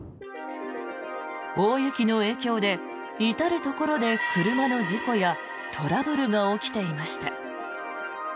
大雪の影響で至るところで車の事故やトラブルが起きていました。